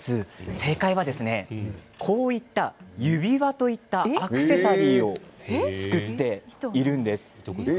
正解は指輪といったアクセサリーを作っているんです。